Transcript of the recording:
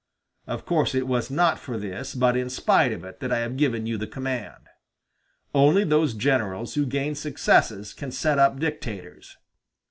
Of course it was not for this, but in spite of it, that I have given you the command. Only those generals who gain successes can set up dictators.